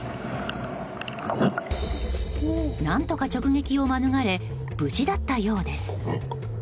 何とか直撃を免れ無事だったようです。